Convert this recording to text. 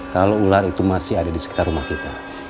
kalau ular itu masih ada di sekitar rumah kita